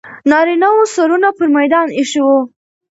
نارینه و سرونه پر میدان ایښي وو.